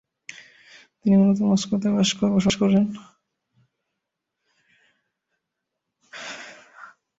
তিনি মূলত মস্কোতে বসবাস করেন।